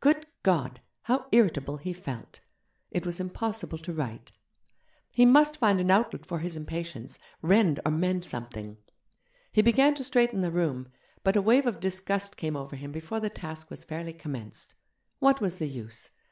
Good God! how irritable he felt. It was impossible to write. He must find an outlet for his impatience, rend or mend something. He began to straighten the room, but a wave of disgust came over him before the task was fairly commenced. What was the use?